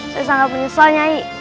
saya sangat menyesal nyai